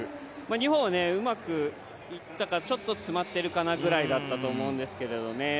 日本はうまくいったか、ちょっと詰まっているかなぐらいだったと思うんですが。